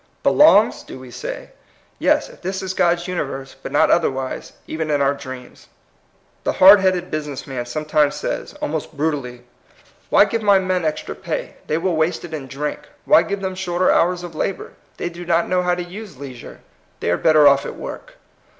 " Belongs," do we say ? Yes, if this is God's universe, but not otherwise, even in our dreams. The hard headed business man sometimes says, almost brutally, " Why give my men 186 THE COMING PBOPLK extra pay? They will waste it in drink. Why give them shorter hours of labor? They do not know how to use leisure. They are better off at work."